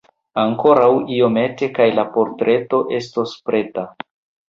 Ankoraŭ iomete kaj la portreto estos preta.